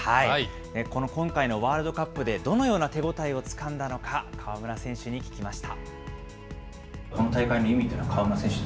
この今回のワールドカップで、どのような手応えをつかんだのか、河村選手に聞きました。